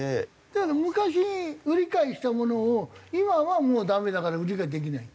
だから昔売り買いしたものを今はもうダメだから売り買いできない？